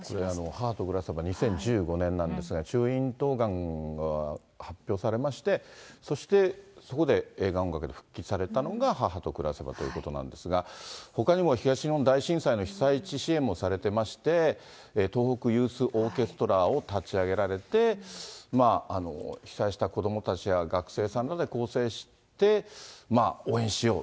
母と暮らせばは、中いん頭がんが発表されまして、そしてそこで映画音楽で復帰されたのが、母と暮らせばということなんですが、ほかにも東日本大震災の被災地支援もされてまして、東北ユースオーケストラを立ち上げられて、被災した子どもたちや学生さんらで構成して応援しよう。